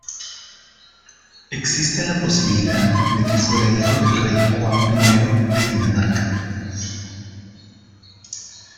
Existe la posibilidad de que fuera hijo del rey Juan I de Dinamarca.